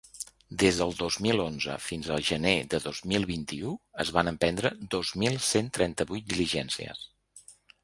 Des del dos mil onze fins a gener de dos mil vint-i-u, es van emprendre dos mil cent trenta-vuit diligències.